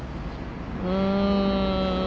うん。